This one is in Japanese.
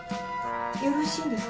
よろしいんですか？